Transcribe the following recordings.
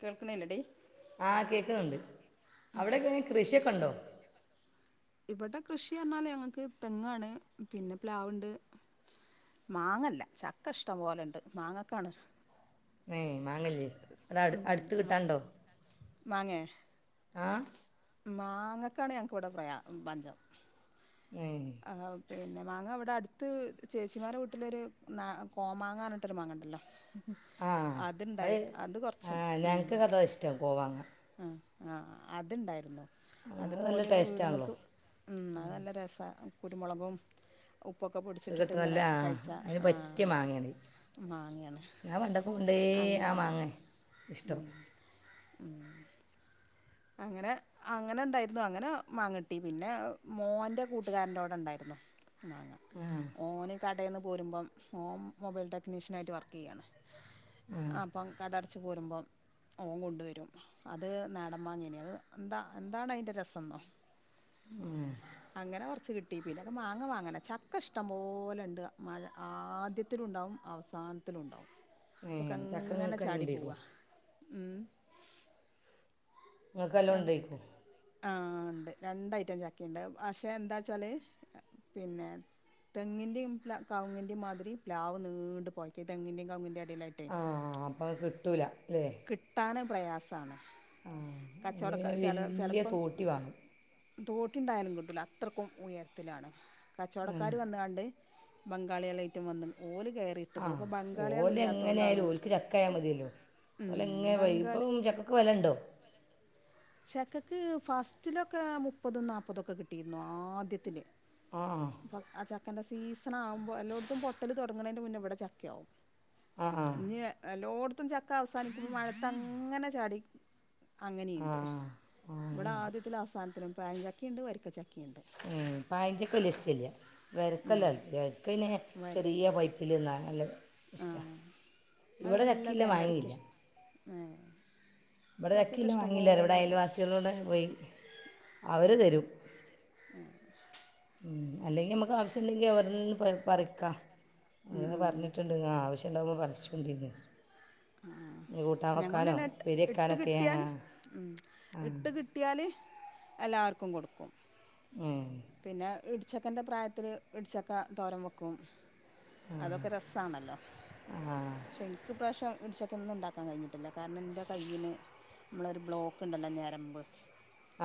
കേക്ക്ണില്ലെടി ആഹ് കേക്ണ്ണ്ട് അവിടെക്കെ കൃഷിയൊക്കെണ്ടോ ഇവടെ കൃഷി പറഞ്ഞാല് ഞങ്ങക്ക് തെങ്ങാണ് പിന്നെ പ്ലാവ്ണ്ട് മാങ്ങല്ല ചക്ക ഇഷ്ടം പോലെണ്ട് മാങ്ങക്കാണ് ഏ മാങ്ങല്ലെ. അടെ അട് അട്ത്ത് ഉം കിട്ടാണ്ടോ മാങ്ങേ ആഹ് മാങ്ങക്കാണ് ഞങ്ങക്ക് ഇവിടെ പ്രയാ പഞ്ചം. ഏഹ് ആഹ്. പിന്നെ മാങ്ങ ഇവ്ടെ അട്ത്ത് ചേച്ചിമാരെ വീട്ടിലൊര് കോമാങ്ങ റ്ഞ്ഞ്ട്ടൊരു മാങ്ങ ഇണ്ടല്ലോ. ആ അത്ണ്ടായി അത് ആ കൊറ്ച്ച് ഉം. ഞങ്ങൾക്ക് അതാ ഇഷ്ടം കോവാങ്ങ ആ, ആഹ്. ആഹ്. അത്ണ്ടായിരുന്നു. അത് നല്ല അത്പ്പോല് ടേസ്റ്റാണല്ലോ വീട്മ്മെക്ക് ഉം അത് നല്ല രസാ കുര്മൊളകും. ഉപ്പൊക്കെ ഇത് പൊട്ച്ചിട്ടിട്ട് കിട്ടുന്ന നല്ല ഇങ്ങനെ ആ കഴിച്ചാ അതിന് പറ്റിയ ആഹ്. മാങ്ങയാണ് ഇത്. മാങ്ങ്യാണ്. ഞാൻ പണ്ടൊക്കെ കൊണ്ടേ ആ അങ്ങനെ അത് മാങ്ങ ഇഷ്ടം ഉം. ഉം അങ്ങനെ അങ്ങനെ ഇണ്ടായിരുന്നു. അങ്ങനെ മാങ്ങ കിട്ടി. പിന്നെ മോന്റെ കൂട്ടുകാരന്റോടെണ്ടായിരുന്നു. മാങ്ങ ഓന് കടേന്ന് പോരുമ്പം ഓം മൊബൈൽ ടെക്നീഷ്യൻ ആയിട്ട് വർക്കെയ്യാണ്. ആഹ്. ഇപ്പം കടട്ച്ച് പോരുമ്പം ഓം കൊണ്ട് വെരും. അത് നട മാങ്ങിനി. അഹ് എന്ത എന്താണ് അയ്ന്റെ രസന്നൊ. അങ്ങനെ കൊറ്ച്ച് കി ട്ടി പിലൊക്കെ മാങ്ങ വാങ്ങല. ചക്ക ഇഷ്ടം പോലെണ്ട്. മഴ ആദ്യത്തിലു ണ്ടാവും. അവസാനത്തിലുംണ്ടാവും. ഏ ചക്ക ഇപ്പൊക്കങ്ങനെ നിങ്ങൾക്ക് തന്നെ ചാടി ഉണ്ടായിക്കും പോവാ ഉം. നിങ്ങൾക്ക് ര എല്ലാം [unintelligible] ഉണ്ടായിക്കും ആഹ് ഇണ്ട്. രണ്ട് ഐറ്റം ചക്കിണ്ട്. പക്ഷെ എന്തായ്ച്ചാല്. പിന്നെ തെങ്ങിന്റിം കൗങ്ങിന്റിം മാതിരി പ്ലാവ് നീണ്ട് പോയക്ക്യാ. തെങ്ങിന്റിം കൗങ്ങിന്റിം എടയി ആഹ് അപ്പഹ് അഹ് കിട്ടൂല ല്ലെ. ട്ടാന് പ്രയാസാണ്. അതിന് കച്ചോടൊക്കെ പിന്നെ ചെലോ വലിയ ചെല്പ്പം. തോട്ടി വേണം തോട്ടിണ്ടായാലും കിട്ടുല. അത്രയ്ക്കും ഉയരത്തിലാണ്. ഉം. കച്ചോടക്കാര് വന്ന് കാണ്ട്. ബംഗാള്യാളായിറ്റും വന്ന്ണ്. ഓല് കേ ആഹ് ഓല് എങ്ങനെ ആയാലും ഓല്ക്ക് ചക്കായാ മതിയല്ലോ. ഓല് എങ്ങനെ ബംഗാൾ ഇപ്പം ചക്ക ക്ക് വെലണ്ടൊ. ചക്കക്ക് ഫസ്റ്റിലൊക്കെ മുപ്പതും നാപ്പതൊക്കെ കിട്ടിര്ന്നു. ആദ്യത്തില് ആഹ് ആഹ് ആ ചക്കന്റെ സീസണാകുമ്പോ. എല്ലോട്ത്തും പൊട്ടല് തൊട്ങ്ണേന്റെ മുന്നെ ഇവെടെ ചക്കയാവും. ആ ആ ഇഞ് എല്ലോട്ത്തും ചക്ക അവസാനിക്കുമ്പം മഴത്ത് അങ്ങനെ ചാടി അങ്ങനെ ആഹ് ഇവെടെ ആദ്യത്തിലും അവസാനത്തിലും പയഞ്ചക്കിണ്ട് വര്ക്കച്ചക്കിണ്ട്. പയഞ്ചക്കവെല്യ ഇഷ്ടല്ല. ഉം വര്ക്കല്ല വര്ക്കെന്നെ വരി ചെറിയ പൈ പ്പ്‌ല്ന്ന നല്ല ആ ഇഷ്ട. ഇവിടെ ചക്കില്ല മാങ്ങില്ല. ഏഹ് ഇവിടെ ചക്കില്ല മാങ്ങില്ല ഇവിടെ അയൽവാസികളോടെ പോയി അവർ തരും. ഉം ഉം. അല്ലെങ്കിൽ നമുക്ക് ആവശ്യമുണ്ടെങ്കിൽ അവിടിന്ന് പറിക്കാ. ഉം അവരെ ഉം പറഞ്ഞിട്ടു ആവശ്യണ്ടാവുമ്പോ പറിച്ചോണ്ടിന്ന് കൂട്ടാൻ ഞങ്ങളും വെക്കാനൊ, തന്നെ ഇട്ട് ഉപ്പേരി ഇട്ട് വെക്കാനൊക്കെ, ആ കിട്ടിയാല് ഉം ആ ഇട്ട് കിട്ടിയാല് എല്ലാർക്കും കൊടുക്കും. ഉം പിന്നെ ഇടിച്ചക്കെന്റെ പ്രായത്തില് ഇടിച്ചക്ക തോരൻ വെക്കും. അതൊക്കെ രസാണല്ലോ. പക്ഷെ എനിക്ക് ഈ പ്രാവശ്യം ഇടിച്ചക്ക ഒന്നും ഇണ്ടാക്കാൻ കഴിഞ്ഞിട്ടില്ല കാരണം ഇൻ്റെ കയ്യിന് നമ്മളൊരു ബ്ലോക്ക് ഇണ്ടല്ലോ ഞെരമ്പ്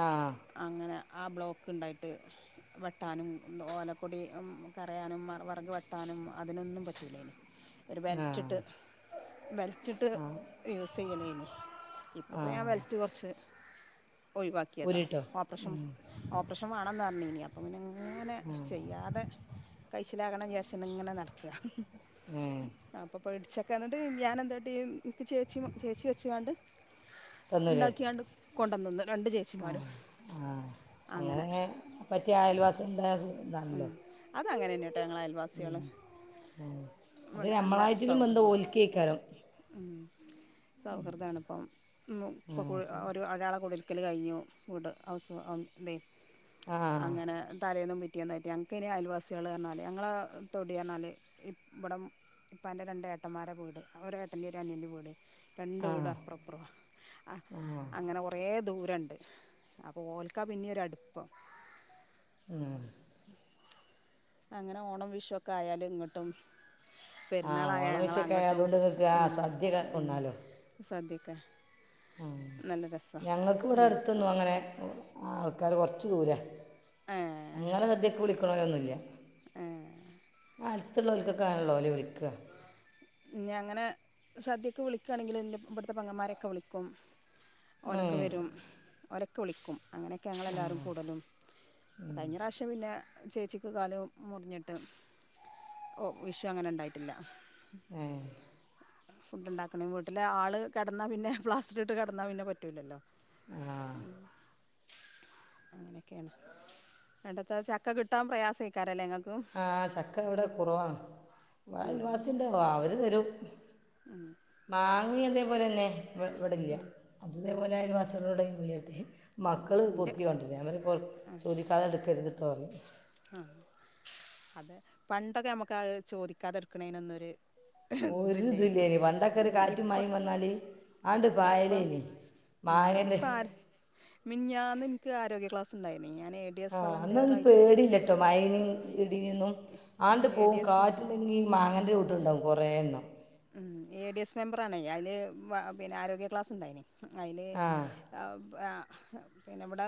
ആഹ് അങ്ങനെ ആ ബ്ലോക്ക് ഇണ്ടായിട്ട് വെട്ടാനും ഓലക്കൊടി കറയാനും വെറക് വെട്ടാനും അതിനൊന്നും പറ്റൂലേയ്നി ആ ഒരുബെൽറ്റ് ഇട്ട് ബെൽറ്റ് ഇട്ട് യൂസർയ്യലെയ്നി ഇപ്പോപ്പ ഞാ വെൽറ്റ് കൊർച്ച് ഒഴിവാക്കിയതാ ഉരുട്ടോ ഓപ്പ്റഷം ഓപ്റെഷം വാണംന്ന് പറഞ്ഞീനി അൻ അങ്ങനെ ഇങ്ങനെ ചെയ്യാതെ കയ്ച്ചിലാകണം വിചാര്ച്ച് ഇങ്ങനെ നടക്കാ അപ്പൊപ്പ ഇടിച്ചക്ക എന്നിട്ട് ഞാൻ എന്താട്ടീ ചേച്ചി ചേച്ചി വെച്ച് കാണ്ട് തന്നൂല്ലേ ഇണ്ടാക്കിയാണ്ട് കൊണ്ടന്നന്ന് രണ്ട് ചേച്ചിമാരും ആ അങ്ങനെ അങ്ങനെ പറ്റിയ അയൽവാള്ണ്ടായാ സ് ഇതാണല്ലോ അത് അങ്ങനെന്നെട്ടാ ഞങ്ങൾ അയൽ വാസാള് അത് ഇവടെ നല്ല നമ്മളായിട്ടും ബന്ധം സൗഹൃദാ ഓൽക്കേക്കാരം സൗഹൃദാണ് ഇപ്പം ആ ഇപ്പം കു ഒരു ഒരാളെ കുട്ടിര് ടിരിക്കല് കഴിഞ്ഞു ങ്ങട്ട് ഹൗസ് വാമിങ്ങ് ഇതെ ആ അങ്ങനെ തലേന്നും പിറ്റേ റ്റ്യാന്നയ്ട്ട് ഞങ്ങ്ക്കയ്ന് അയിവാസാള് അർഞ്ഞാല് ഞങ്ങളാ തൊടീന്നർഞ്ഞാല് ഇവടം ഉപ്പാന്റെ രണ്ടേഏട്ടന്മാരെ വീടും ഒരേഏട്ടന്റിം ഒരു അനിയന്റിം വീടും രണ്ട് വീട് അപ്പറം ഇപ്പ്റവാ അ അങ്ങനെ കൊ റേ ദൂരണ്ട് അപ്പഓൽക്കാ പിന്നെര് അട്പ്പം ഉം [inaudible] അങ്ങനെ ഓണം വിഷു ഒക്കെ ആയാല് ഇങ്ങട്ടും ആ പെര്ന്നാളായ ഓണം ഞങ്ങള് വിഷയൊക്കെ അങ്ങട്ടും ആയതുകൊണ്ട് നിങ്ങൾക്ക് ആ ഉം സദ്യ ഉം സദ്യക്കെ ഞങ്ങക്ക് ഇവ്ടെ എന്നിട്ട് അട്ത്തൊന്ന് അങ്ങനെ ആൾക്കാര് കൊർച്ച് ദൂരാ ഏഹ് ഇങ്ങനെ സദ്യക്ക് വിളിക്കണോരൊന്നു ഇല്ല ഏഹ് അടുത്ത്ള്ളോൽക്കൊക്കള്ളൂ ഓല് വിളിക്കാ [inaudible] പിന്നെ അങ്ങനെ സദ്യക്ക് വിളിക്കാണെങ്കില് ഇന്റെ ഇബട്ത്തെ പെങ്ങന്മാരെക്കെ വിളിക്കും ഓലക്ക വരും ഓലെക്കെ വിളിക്കും അങ്ങനെയെക്കെ ഞങ്ങൾ എല്ലാരും കൂടലും കഴിഞ്ഞ പ്രാവശ്യ ശ്യം പിന്നെ ചേച്ചിക്ക് കാലും മുർഞ്ഞിട്ട് ഓ വിഷു അങ്ങനെ ഇണ്ടായിട്ടില്ല ഏഹ് ഫുഡ്ണ്ടാക്കണെങ്കി വീട്ടിലെ ആള് കെടന്നാ പിന്നെ പ്ലാസ്റ്ററ്ട്ട് കെടന്നാ പിന്നെ പറ്റൂലല്ലാേ ആഹ് അങ്ങനെയെക്കേണ് ഇങ്ങട്ടത്താ ചക്ക കിട്ടാൻ പ്രയാസെയ്ക്കാരല്ലേ ഇങ്ങക് ആഹ് ചക്ക ഇവടെ കുറവാണ് ഇവ്ടെ ഉം അയൽവാസിണ്ട് വാ അവര് തരും ഉം മാങ്ങേം ഇതേപോലെന്നെ ഇവ് ഇവിടെല്ല അത് ഇതേപ്പോലെ അയൽവാസാളോട് [unintelligible] ഉം മക്കള് ഇന്റെ പൊർക്കിക്കൊണ്ട്രും ഞാ പറയും പൊർ ചോദിച്ചാതെ എട്ക്കര്ത്ട്ടേർയും ആഹ് അതെ പണ്ടൊക്കെ നമുക്ക് അഅ് ചോദിക്കാതെ എട്ക്ക്ണേനൊന്നര് ഇതില്ലായ്രുന്നു ഈ ഇപ്പ ന്നാല് ഇപ്പൊ ഉം മാങ്ങൻ്റെ ഇപ്പ ആര് മിനിയാന്ന എനിക്ക് ആരോഗ്യ ക്ലാസ് ഉണ്ടായിരുന്നു ഞാൻ ഡി ആ എസ് വളണ്ടിയർ അന്ന ആയിട്ട് പേടില്ലട്ടോ മഴയും ഇടിന്നും ആണ്ട് എ പോകും ഡി എസ് കാറ്റ് അല്ലെങ്കിൽ മാങ്ങേൻ്റെ ചോട്ട് ഉണ്ടാവും കുറേ എണ്ണം എ ഡി എസ് മെമ്പർ ആണേ അതില് പിന്നെ ആരോഗ്യ ക്ലാസ്സ് ഉണ്ടായിന് അതില് ആ [unintelligible] പിന്നെ ഇവിടെ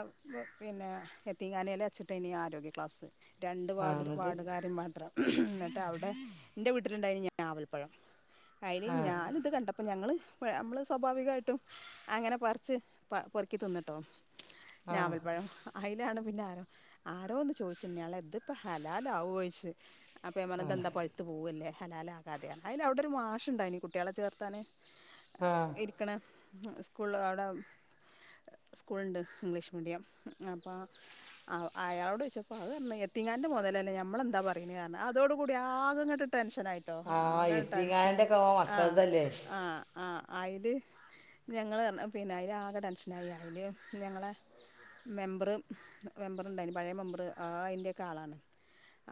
പിന്നെ എത്തിങ്ങാനൽെ വെച്ചിട്ട് ഇനി ആരോഗ്യ ക്ലാസ്സ് രണ്ട് ആ വാർഡ് എന്നിട്ട് വാർഡുകാരും മാത്രം എന്നിട്ട് അവിടെ എൻ്റെ വീട്ടിലുണ്ടായിരുന്ന ഞാവൽ പഴം അയില് ആ ഞാനിത് കണ്ടപ്പ അപ്പൊ ഞങ്ങള് നമ്മള് സ്വാഭാവികമായിട്ടും അങ്ങനെ പറിച്ച് പെറുക്കി തിന്നട്ടോ ആ ഞാവൽപ്പഴം അയിലാണ് പിന്നെ ആരോ ആരോന്ന് ചോദിച്ച് ന്ന്യാളെ ഇതിപ്പോ ഹലാലാവോ ചോയിച്ചു അപ്പൊ ഞാൻ പറഞ്ഞു ആ ഇത് എന്താ പഴുത്തു പോവല്ലേ ഹലാല് ആവാതെ അയില് അവിടെ ഒരു മാഷുണ്ടായിനി കുട്ടികളെ ചേർത്താന് ആഹ് ഇരിക്കണ സ്കൂളിഅവിടെ സ്കൂളുണ്ട് ഇംഗ്ലീഷ് മീഡിയം അപ്പ ആ അയാളോട് ചോദിച്ചപ്പ അത് പറഞ്ഞു എത്തിങ്ങാൻ്റെ മുതലല്ലേ നമ്മളെന്താ പറയുന്നത് കാരണം അതോടുകൂടി ആകെ അങ്ങാട്ട് ടെൻഷനായിട്ടോ ആഹ് അകെ ടെൻഷനായി ഇത്തിങ്ങാനൻ്റെക്കെ ഓൻ ആഹ് മക്കളതല്ലേ ആഹ് ആഹ അയില് ഞങ്ങള് പറഞ്ഞു പിന്നെ അയിന് ആകെ ടെൻഷനായി അയില് ഞങ്ങളെ മെമ്പറ് മെമ്പറുണ്ടായിന് പഴയ മെമ്പറ്ആ അതിന്റെയൊക്കെ ആളാണ്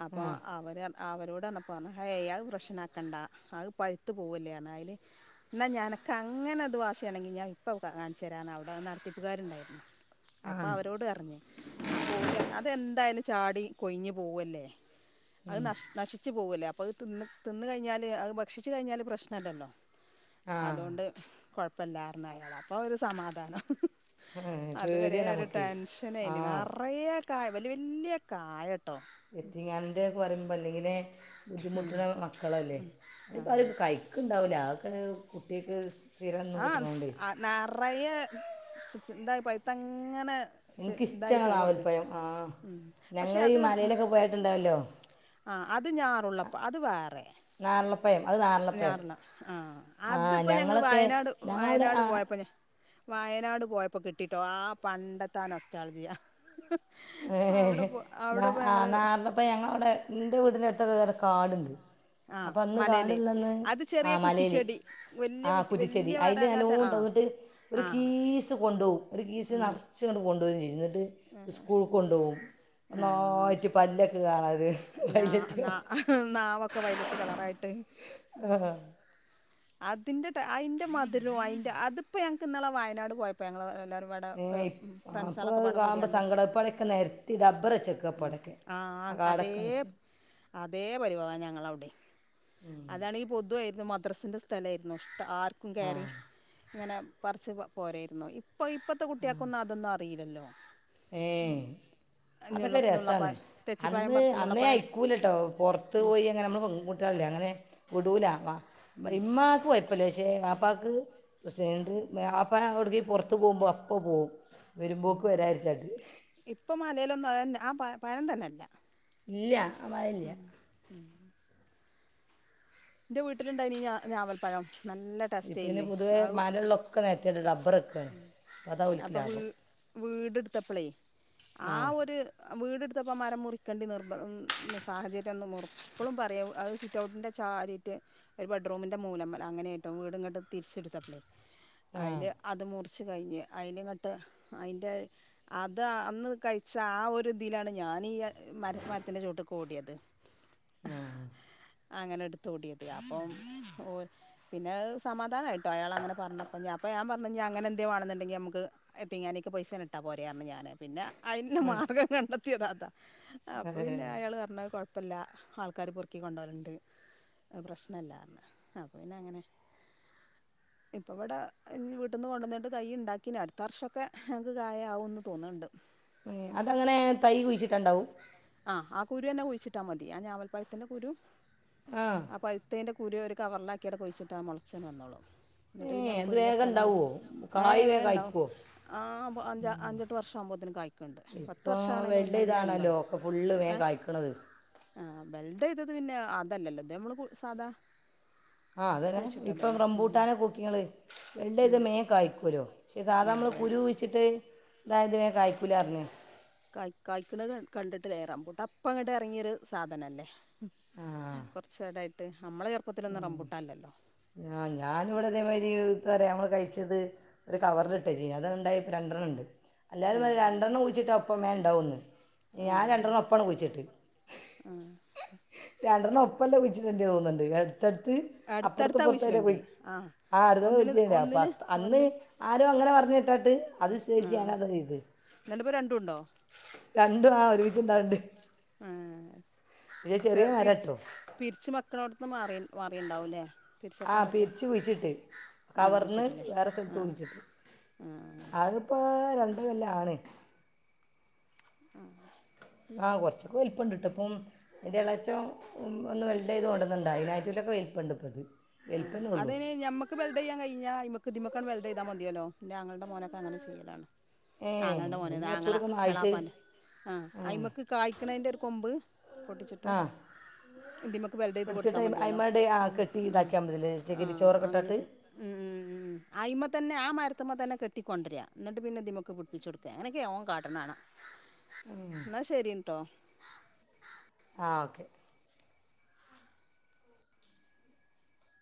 അപ്പൊ ആഹ് അവര് അവരോട് പറഞ്ഞെപ്പോ എ അത് പ്രശ്നമാക്കണ്ട അത് പഴുത്തു പോവല്ലേപറഞ്ഞു അയല് എന്നാൽ നിനക്കെ അങ്ങനെ അത് വാഷി ആണെങ്കിൽ ഞാൻ ഇപ്പോ കാണിച്ച് തരാന്ന് അവിടെ നടത്തിപ്പുകാരു ഉണ്ടായിരുന്നു അപ്പോ ആഹ് അവരോട് പറഞ്ഞു ആപൊല് പറഞ്ഞു അതെന്തായാലും ചാടി കൊഴിഞ്ഞ് പോവല്ലേ അത് നശി നശിച്ച് പോവല്ലേ അപ്പോൾ അത് തിന്ന് കഴിഞ്ഞാൽ അത് ഭക്ഷിച്ചച്ച് കഴിഞ്ഞാൽ പ്രശ്നമല്ലല്ലോ ആഹ് അതുകൊണ്ട് കുഴപ്പമില്ലായിരുന്നേ അയാള അപ്പ ഒരു സമാധാനം അതുവരെ പേടിയാണ് ഒരു നമുക്ക് ടെൻഷനായി ന് ആഹ് നിറയെ കായ വലിയ വലിയ കായട്ടോ എത്തിങ്ങാനൻ്റെ ഒക പറയുമ്പോൾ അല്ലെങ്കിൽ ബുദ്ധിമുട്ടുള്ള മക്കളല്ലേ ആ അതിപ്പം അതൊക്കെ കഴിക്കും ഇക്ക ഉണ്ടാവില്ല ആൾക്ക് കുട്ടിക്ക് ആഹ നിറയെ ന്തായി പഴുത്ത അങ്ങനെ ഇതായി എനിക്കിഷ്ടമാണ് പോകും ഉം നാവൽപ്പഴം ആഹ് അങ്ങനെ പക്ഷെ ഞങ്ങൾ ഈ അത് മലയിലൊക്കെ പോയിട്ടുണ്ടാവല്ലോ ആഹ അത് ഞാറുള്ളപ്പോ അത് വേറെ നാരളപ്പഴം അത് നാരളപ്പഴം ഞാറുള്ള ആഹ ആഹ് അതിപ്പോ ഞങ്ങള് ഞങ്ങളൊക്കെ വയനാട് ഞങ്ങളവിടെ വയനാട് ആഹ് പോയപ്പോ വയനാട് പോയപ്പോ കിട്ടിട്ടോ ആഹ പണ്ടത്തെആ നൊസ്റ്റാൾജിയ ഹേ അവിടെ ഹേ പോ നാ അവിടെ പോ ഞങ്ങള് നാ ഇന്റെ വീട്ടിന്റെ അടുത്ത് കാടുണ്ട് ആഹ് അപ്പൊ അന്ന് മലേല് കാടുള്ളന്ന് അത് ആ ചെറിയ കുറ്റിച്ചെടി വല്യ മലേല്ആഹ കുറ്റി കുറ്റിച്ചെടി വല്യ അതില് മരാകാതെ നല്ലോണ ആഹ് ഉണ്ടാവും എന്ന്ട്ട് ഒരു ആഹ് കീസ് കൊണ്ടു പോവും ഒരു കീസ് ഉം നിറച്ച് കൊണ്ടുവരും എന്നിട്ട് പൂ കൊണ്ട് പോകും ആഹ് നന്നായിട്ട് പല്ലൊക്കെ കാണാറ് ഒരു ഞാ വൈലറ്റ് ക നാ നാവൊക്കെ വയലറ്റ് കളറായിട്ട് ആഹ അതിന്റെ അതിന്റെ മധരും അതിന്റെ അതിപ്പോ ഞങ്ങൾക്ക് ഇന്നാൾ വയനാട് പോയപ്പോ ഞങ്ങൾ എല്ലാവരും യെ അപ്പോൾ കാണുമ്പോൾ സങ്കടംആവും ഇപ്പോഴടൊക്കെ നിരത്തി ഡബ്ബർ വച്ചെക്ക അപ്പോടയ്ക്ക് ആഹ അതേ അതേ പരിവാ മാണ് ഞങ്ങടെ അവിടെ അതാണെങ്കിൽ ഈ പൊതുവായിരുന്നു മദ്രാസിന്റെ സ്ഥലയിരുന്നു ആർക്കും ആ കേറി ഇങ്ങനെ പറിച്ച് പോരായിരുന്നു ഇപ്പൊ ഇപ്പത്തെ കുട്ടിയക്കൊന്നും അതൊന്നും അറിയില്ലല്ലോ ഏ നുള്ള അതൊക്കെ രസാണ് നുള്ളപ്പായം തെച്ചിപ്പായം അന്ന് പറിച്ച അന്നേ നുള്ളപ്പായം അയിക്കൂല ട്ടോ പൊറത്ത് പോയി അങ്ങനെ അമ്മള് പെൺകുട്ടികൾ അല്ലെ അങ്ങനെ വിടൂല വാപ്പ ഉം ഇമ്മാക്ക് കൊയപ്പല്ല ക്ഷേ വാപ്പാക്ക് പക്ഷേ ണ്ട് വാപ്പാ അവിടേക്ക് പൊറത്ത് പോമ്പോ അപ്പോ പോകും വരുമ്പോക്ക് വരായിരിച്ചാ ഇപ്പൊ മലയിലൊന്നും അതന്നെ ആ പഴം തന്നെയില്ല ഇല്ല ആ പഴംല്ല ഉം എന്റെ വീട്ടിലുണ്ടായിനി ഞാ ഞാവൽപ്പഴം നല്ല ഇപ്പം പിന്നെ ടേസ്റ്റായിര്ന്നേ പൊതുവേ ആവും മലകളിലൊക്കെ നിരത്തിയിട്ട് റബ്ബർ വെക്കുകയാണ് അപ്പം അതാ ഓൽക്ക് അപ്പ വീ ലാഭം വീടെടുത്തപ്പളേ ആ ഒരു വീടെടുത്തപ്പോൾ മരം മുറിക്കേണ്ടി നിർബ സാഹചര്യം ഒന്ന് മുർ ഇപ്പോളും പറയും അത് സിറ്റ് ഔട്ടിന്റെ താരിയിട്ട് ഒരു ബെഡ്റൂമിന്റെ മൂലംമ്മല് അങ്ങനെയായിട്ടോ വീട് ഇങ്ങട്ട് തിരിച്ചെടുത്തപ്പളേ ആ അയില് അത് മുറിച്ച് കഴിഞ്ഞ് അയില്ങ്ങട്ട് അയിന്റെ അത് അന്ന് കഴിച്ച ആ ഒരു ഇതിയിലാണ് ഞാനീ മര മരത്തിൻ്റെ ചുവട്ട്ക്ക് ഓടിയത് [inaudible] ആഹ് അങ്ങനെടുത്തോടിയത് അപ്പം ഓ പിന്നെ സമാധാനമായിട്ടോ അയാളങ്ങനെ പറഞ്ഞപ്പ ഇനി അപ്പൊ ഞാൻ പറഞ്ഞ് ഇനി അങ്ങനെ എന്തേ വേണെന്നുണ്ടെങ്കി അമ്മുക്ക് യത്തീംഖാനേക്ക് പൈസേന്നിട്ടാ പോരെ പറഞ്ഞു ഞാന് പിന്നെ അയ്നുള്ള മാർഗ്ഗം കണ്ടെത്തിയത് അതാ അപ്പൊ ഏ. പിന്നെ അയാൾ പറഞ്ഞ് അത് കൊ ഴപ്പില്ല ആൾക്കാര് പെറുക്കി കൊണ്ടു പോകലുണ്ട് പ്രശ്നല്ലാ അത് പിന്നെ അങ്ങനെ ഇപ്പ ഇവിടെ വീട്ടീന്ന് കൊണ്ടുവന്നിട്ട് തൈ ഉണ്ടാക്കീന് അടുത്ത വർഷൊക്കെ ഞങ്ങക്ക് കായ ആവുംന്ന് തോന്ന്ണ്ണ്ട് അതങ്ങനെ തൈ കുഴിച്ചിട്ടാ ണ്ടാവും ആഹ് ആ കുരു തന്നെ കുഴിച്ചിട്ടാ മതി ആ ഞാവൽപ്പഴത്തിന്റെ കുരു ആ പഴുത്തേന്റെ കുരു ഒരു കവറിലാക്കിയിടെ കുഴിച്ചിട്ടാ മുളച്ചെന്നെ വന്നോളു എന്നിട്ട് ഏ പിന്നെ നമുക്ക് അത് ഒഴിഞ്ഞ വേഗം സ്ഥലം നോക്കി ഉണ്ടാവുമോ കായ് ഏഹ് വേഗം വേണ്ട കായ്ക്കുമോ ആ അഞ്ചെട്ട് വർഷം ആവുമ്പോത്തേന് കായ്ക് ണ്ട് പത്ത് ഇപ്പോൾ വർഷാവ്ണേന് വെൽഡ് മുന്നെ എന്തായാലും ചെയ്താണല്ലോ കായ്ക്കും ഒക്കെ ഫുള്ള് ഏ വേഗം കായ്ക്കണത് ആ ബെൽഡ് ചെയ്തത് പിന്നെ അതല്ലല്ലോ ഇത് നമ്മള് സാധാ ആഹ് അതന്നെ ഇപ്പം കുഴിച്ചിട്ടതല്ലേ ഉം റംബൂട്ടാനെക്കോക്കിങ്ങള് വെൽഡ് ഉം ചെയ്താ മേം കായിക്കൂല്ലോ പക്ഷേ ആ സാധാ നമ്മൾ വെൽ കുരു കുയിച്ചിട്ട് ഇതായത് വേഗം കായ്ക്കൂല പറഞ്ഞു കായ് കായ്ക്കണത് കണ്ടിട്ടില്ല റമ്പൂട്ടാ ഇപ്പ അങ്ങോട്ട് ഇറങ്ങിയൊരു സാധനല്ലേ ആ കൊറച്ച് ഇടായിട്ട് അമ്മള ചെറുപ്പത്തിലൊന്നും റംമ്പൂട്ടാല്ലല്ലോ ആഹ് ഞാനിവിട അതേമായിരി ഇത് പറയാ അമ്മള് കഴിച്ചത് ഒരു കവറിലിട്ട് വെച്ച് അത് ഇണ്ടായി ഇപ്പ രണ്ടെണ്ണം ഉണ്ട് എല്ലാരും ആ പറേം രണ്ടെണ്ണം കുയിച്ചിട്ടാ ഒപ്പം വേം ഉണ്ടാവെന്ന് ഞാൻ രണ്ടെണ്ണം ഒപ്പ എണ്ണം കുഴിച്ചിട്ട് ആഹ് രണ്ടെണ്ണം ഒപ്പല്ലാ കുഴിച്ചിടേണ്ട്യേ തോന്നുന്നുണ്ട് അടുത്തടുത്ത് അടുത്തടുത്താ അപ്പുറത്തിപ്പുറത്തായിട്ട് കുഴിച്ചിടേണ്ടി പോയി ആ ഒന്നിന് അടുത്തടുത്ത് [unintelligible] അപ്പ ഒന്നിന് അന്ന് ഒന്ന് ആരോ അങ്ങനെ പറഞ്ഞ് കേട്ടട്ട് അത് ആ വിശ്വസിച്ച് ഞാനത് ചെയ്ത് എന്നിട്ടിപ്പോ രണ്ടും ഉണ്ടോ രണ്ടും ആ ഒരുമിച്ചിണ്ടാവണ്ട് ചെറിയ ആഹ് മരം പിരിച്ച് കേട്ടോ പിരിച്ച് മക്കളോടത്ത്ന്ന് മാറി മാറിണ്ടാവുംല്ലേ ആഹ് പിരിച്ച് കുഴിച്ചിട്ട് ആ കവറിന്ന് കുഴിച്ചിട്ടില്ലേ വേറെ സ്ഥലത്ത് ആ കുഴിച്ചിട്ട് ആ അത് ഇപ്പോൾ രണ്ട് കൊല്ല ആണ്. ആഹ് ആഹ കുറച്ചൊക്കെ വലിപ്പം ഉണ്ട്പ്പം. അതിന്റെ ഇളച്ചം ഒന്ന് വലുതായത് കൊണ്ടന്നണ്ട അതിനായിട്ട്ടൊക്കെ വലിപ്പുണ്ട് ഇപ്പ ഇത്. ആ വലിപ്പമേ ഉള്ളൂ അതിന് ഞമ്മക്ക്. വെൽഡ്ചെയാൻ കഴിഞ്ഞാ ഇമക്ക് തിമക്ക വെൽഡ് ചെയ്താ മതിയല്ലോ ന്റെ ആങ്ങള് മോനൊക്കെ അങ്ങനെ ചെയ്യലാണ്. ഏ ആങ്ങളന്റെ അത് മോന് കുറച്ചുകൂടെ ആങ്ങളാ ഒക്കെ ഒന്ന് എ ആയിട്ട് ളാപ്പാന്റെ ആ ഏ അയ്മക്ക് കായ്ക്കണതിന്റെ ഒരു കൊമ്പ് പൊട്ടിച്ചിട്ട്. ആ ഇതിമ്മക്ക് വെൽഡ് ചെയ്ത് പിടിച്ചിട്ട് കൊടുത്താൽ മതിയല്ലോ അയിമ്മേ ഉം കെട്ടി ആ ഇതാക്കിയാൽ പതില്ലേ ആ ചകിരി ചോറ് അങ്ങനെ ഇട്ടിട്ട്. ചെയ് ഉം ഉം ഉ ഉ ആയിമ്മതന്നെ ആ മരത്തിമ്മ തന്നെ കെട്ടികൊണ്ടരിക എന്നിട്ട് പിന്നെ ഇതിമുക്ക് പിടിപ്പിച്ച് കൊടുക്കുക അങ്ങനക്കെ ഓന് കാട്ട്ണാണ. എന്നാ ശരിട്ടോ ആ ഓക്കെ